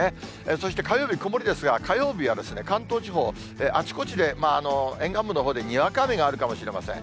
そして火曜日、曇りですが、火曜日は関東地方、あちこちで沿岸部のほうでにわか雨があるかもしれません。